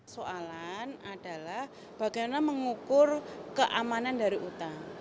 soalan adalah bagaimana mengukur keamanan dari utang